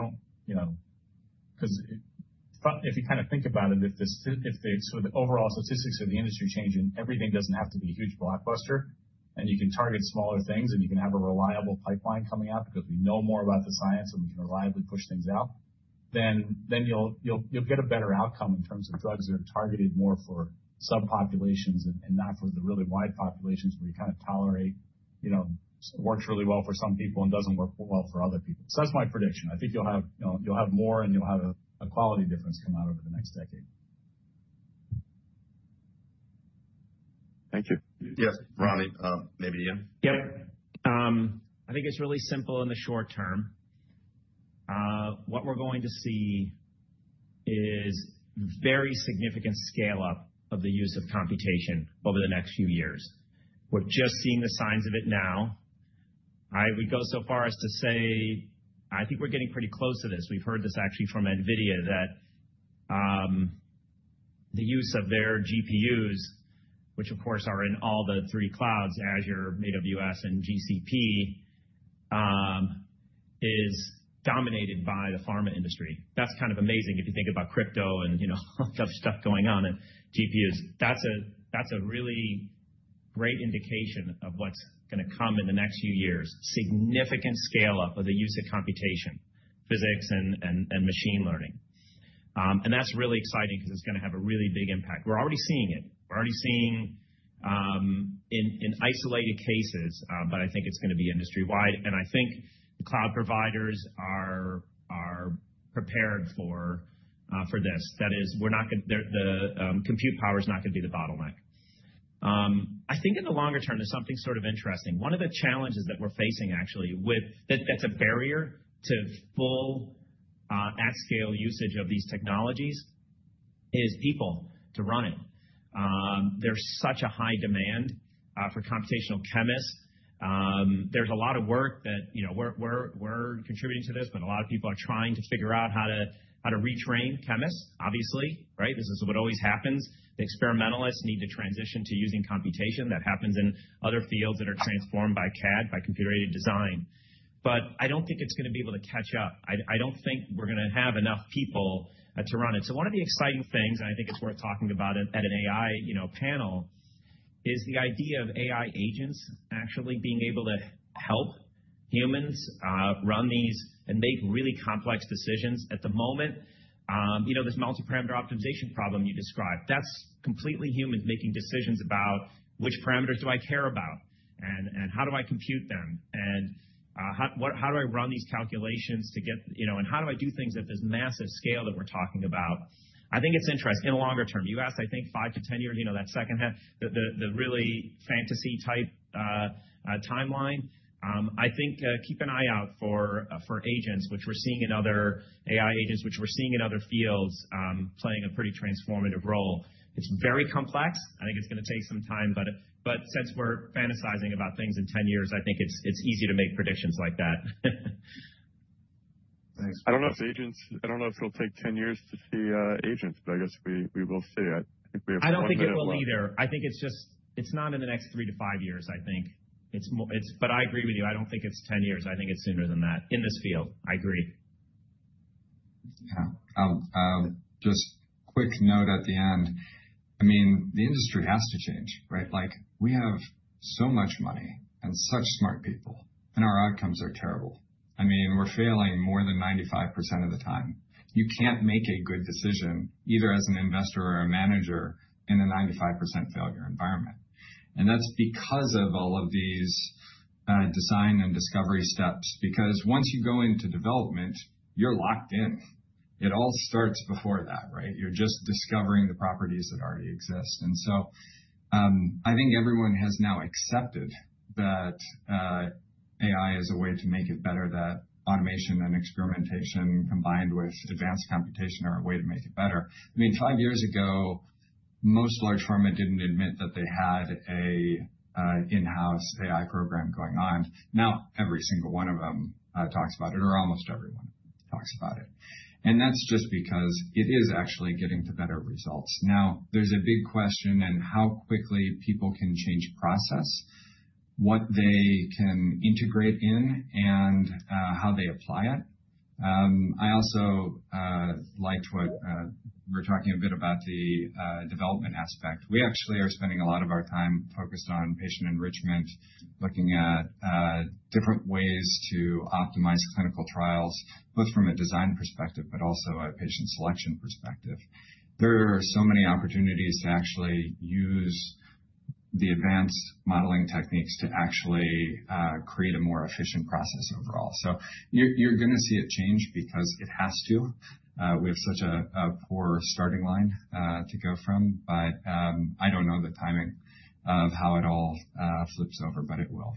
if you kind of think about it, if the overall statistics of the industry change and everything doesn't have to be a huge blockbuster, and you can target smaller things and you can have a reliable pipeline coming out because we know more about the science and we can reliably push things out, then you'll get a better outcome in terms of drugs that are targeted more for subpopulations and not for the really wide populations where you kind of tolerate what works really well for some people and doesn't work well for other people. So that's my prediction. I think you'll have more and you'll have a quality difference come out over the next decade. Thank you. Yes, Ramy, maybe William. Yep. I think it's really simple in the short term. What we're going to see is very significant scale-up of the use of computation over the next few years. We're just seeing the signs of it now. I would go so far as to say I think we're getting pretty close to this. We've heard this actually from NVIDIA that the use of their GPUs, which of course are in all the three clouds, Azure, AWS, and GCP, is dominated by the pharma industry. That's kind of amazing if you think about crypto and all the other stuff going on and GPUs. That's a really great indication of what's going to come in the next few years, significant scale-up of the use of computation, physics, and machine learning, and that's really exciting because it's going to have a really big impact. We're already seeing it. We're already seeing in isolated cases, but I think it's going to be industry-wide. And I think the cloud providers are prepared for this. That is, the compute power is not going to be the bottleneck. I think in the longer term, there's something sort of interesting. One of the challenges that we're facing, actually, that's a barrier to full at-scale usage of these technologies is people to run it. There's such a high demand for computational chemists. There's a lot of work that we're contributing to this, but a lot of people are trying to figure out how to retrain chemists, obviously, right? This is what always happens. The experimentalists need to transition to using computation. That happens in other fields that are transformed by CAD, by computer-aided design. But I don't think it's going to be able to catch up. I don't think we're going to have enough people to run it. So one of the exciting things, and I think it's worth talking about at an AI panel, is the idea of AI agents actually being able to help humans run these and make really complex decisions. At the moment, this multi-parameter optimization problem you described, that's completely humans making decisions about which parameters do I care about and how do I compute them? And how do I run these calculations to get and how do I do things at this massive scale that we're talking about? I think it's interesting. In the longer term, you asked, I think, 5 to 10 years, that second half, the really fantasy-type timeline. I think keep an eye out for agents, which we're seeing in other AI agents, which we're seeing in other fields playing a pretty transformative role. It's very complex. I think it's going to take some time, but since we're fantasizing about things in 10 years, I think it's easy to make predictions like that. Thanks. I don't know if it'll take 10 years to see agents, but I guess we will see it. I think we have to wait for that. I don't think it will either. I think it's just not in the next three to five years, I think. But I agree with you. I don't think it's 10 years. I think it's sooner than that in this field. I agree. Yeah. Just quick note at the end. I mean, the industry has to change, right? We have so much money and such smart people, and our outcomes are terrible. I mean, we're failing more than 95% of the time. You can't make a good decision either as an investor or a manager in a 95% failure environment. And that's because of all of these design and discovery steps. Because once you go into development, you're locked in. It all starts before that, right? You're just discovering the properties that already exist. And so I think everyone has now accepted that AI is a way to make it better, that automation and experimentation combined with advanced computation are a way to make it better. I mean, five years ago, most large pharma didn't admit that they had an in-house AI program going on. Now, every single one of them talks about it, or almost everyone talks about it. And that's just because it is actually getting to better results. Now, there's a big question in how quickly people can change process, what they can integrate in, and how they apply it. I also liked what we were talking a bit about the development aspect. We actually are spending a lot of our time focused on patient enrichment, looking at different ways to optimize clinical trials, both from a design perspective but also a patient selection perspective. There are so many opportunities to actually use the advanced modeling techniques to actually create a more efficient process overall. So you're going to see it change because it has to. We have such a poor starting line to go from, but I don't know the timing of how it all flips over, but it will.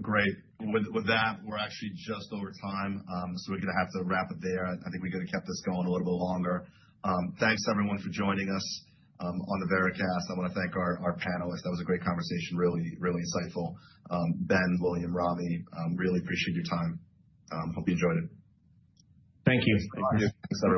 Great. With that, we're actually just over time. So we're going to have to wrap it there. I think we could have kept this going a little bit longer. Thanks, everyone, for joining us on the Veritas. I want to thank our panelists. That was a great conversation, really, really insightful. Ben, William, Ramy, really appreciate your time. Hope you enjoyed it. Thank you. Thanks.